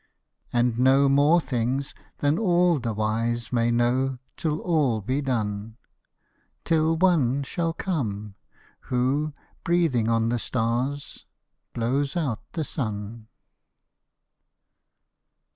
And know more things than all the wise may know Till all be done; Till One shall come who, breathing on the stars, Blows out the sun.